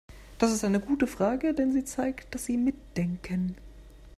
Das ist eine gute Frage, denn sie zeigt, dass Sie mitdenken.